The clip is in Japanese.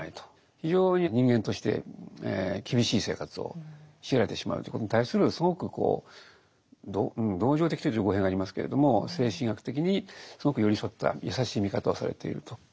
非常に人間として厳しい生活を強いられてしまうということに対するすごく同情的というと語弊がありますけれども精神医学的にすごく寄り添った優しい見方をされていると。